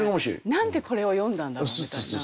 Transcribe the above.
何でこれを詠んだんだろうみたいな。